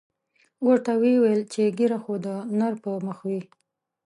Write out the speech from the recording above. ورته ویې ویل چې ږیره خو د نر پر مخ وي.